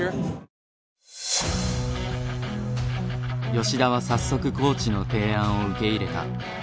吉田は早速コーチの提案を受け入れた。